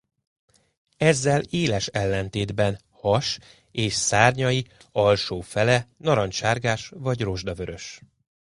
Ezzel éles ellentétben has és szárnyai alsó fele narancssárgás vagy rozsdavörös.